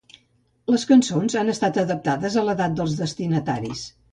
Les cançons han estat adaptades a l'edat dels destinataris.